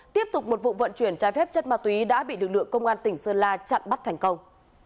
tiếp tục một vụ vận chuyển trái phép chất ma túy đã bị lực lượng công an tỉnh sơn la chặn bắt thành công